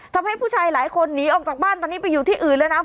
ทำให้ผู้ชายหลายคนหนีออกจากบ้านตอนนี้ไปอยู่ที่อื่นแล้วนะ